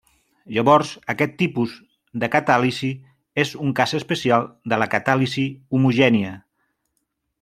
Llavors aquest tipus de catàlisi és un cas especial de la catàlisi homogènia.